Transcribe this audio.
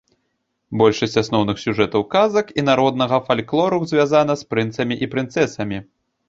Большасць асноўных сюжэтаў казак і народнага фальклору звязана з прынцамі і прынцэсамі.